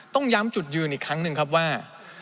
ต้องย้ำจุดยืนอีกครั้งหนึ่งครับว่า